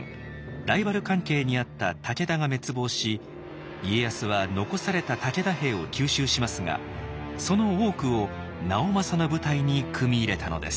ライバル関係にあった武田が滅亡し家康は残された武田兵を吸収しますがその多くを直政の部隊に組み入れたのです。